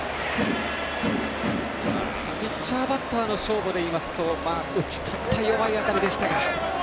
ピッチャー、バッターの勝負でいいますと打ち取った弱い当たりでしたが。